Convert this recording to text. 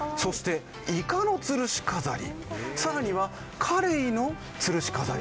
そして、いかのつるし飾り、更にはカレイのつるし飾り。